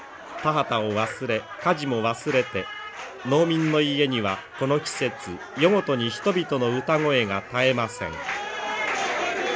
田畑を忘れ家事も忘れて農民の家にはこの季節夜ごとに人々の歌声が絶えません。